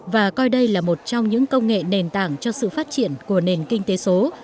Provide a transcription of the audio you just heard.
và coi đây là một trong những công nghệ nền tảng cho sự phát triển của nền kinh tế số